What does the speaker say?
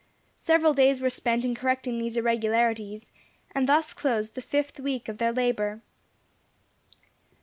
Several days were spent in correcting these irregularities, and thus closed the fifth week of their labour.